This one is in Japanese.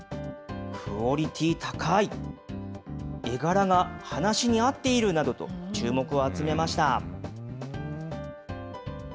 クオリティー高い、絵柄が話に合っているなどと、注目を集めました。